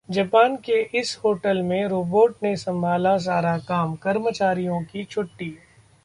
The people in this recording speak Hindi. जापान के इस होटल में रोबोट ने संभाला सारा काम, कर्मचारियों की छुट्टी